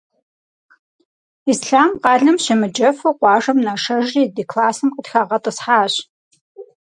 Ислъам къалэм щемыджэфу, къуажэм нашэжри ди классым къытхагъэтӏысхьащ.